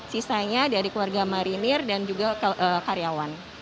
sisanya dari keluarga marinir dan juga karyawan